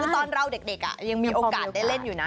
คือตอนเราเด็กยังมีโอกาสได้เล่นอยู่นะ